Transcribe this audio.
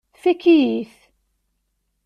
Tfakk-iyi-t.